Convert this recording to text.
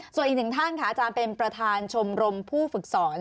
ส่วนอีกหนึ่งท่านค่ะอาจารย์เป็นประธานชมรมผู้ฝึกสอน